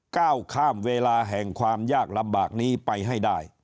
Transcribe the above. ก้าวข้ามเวลาแห่งความยากลำบากนี้ไปให้ได้